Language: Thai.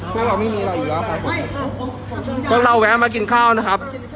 เพราะเราไม่มีเราอยู่แล้วครับผมพวกเราแวะมากินข้าวนะครับ